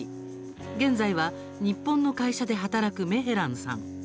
現在は日本の会社で働くメヘランさん。